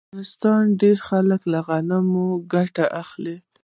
د افغانستان ډیری خلک له غنمو ګټه اخلي.